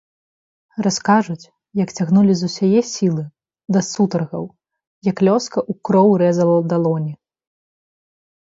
Раскажуць, як цягнулі з усяе сілы, да сутаргаў, як лёска ў кроў рэзала далоні.